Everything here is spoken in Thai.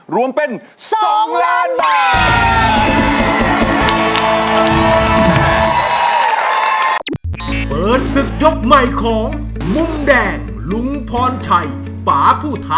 รวมเป็น๒ล้านบาท